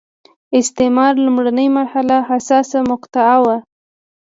د استعمار لومړنۍ مرحله حساسه مقطعه وه.